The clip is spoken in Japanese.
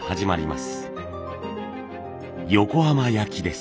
「横浜焼」です。